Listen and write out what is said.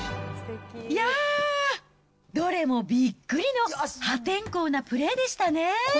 いやー、どれもびっくりの破天荒なプレーでしたね。